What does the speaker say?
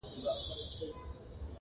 د دستار سرونه یو نه سو را پاته!.